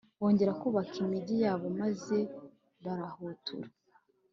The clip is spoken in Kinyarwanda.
bongera kubaka imigi yabo maze barahatura